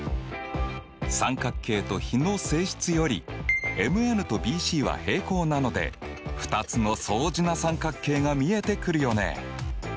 三角形と比の性質よりＭＮとＢＣは平行なので２つの相似な三角形が見えてくるよね。